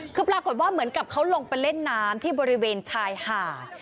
คือปรากฏว่าเหมือนกับเขาลงไปเล่นน้ำที่บริเวณชายหาด